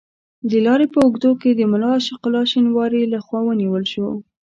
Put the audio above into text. د لارې په اوږدو کې د ملا عاشق الله شینواري له خوا ونیول شو.